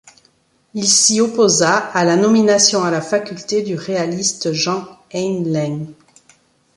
Il s'y opposa à la nomination à la faculté du réaliste Jean Heynlin.